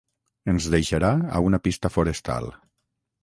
ens deixarà a una pista forestal